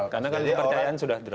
karena kepercayaan sudah drop